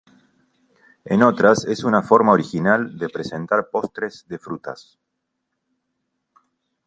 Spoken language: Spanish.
En otras es una forma original de presentar postres de frutas.